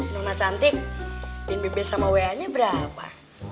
nona cantik pin bb sama wa nya berapa